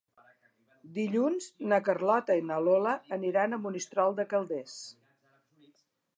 Dilluns na Carlota i na Lola aniran a Monistrol de Calders.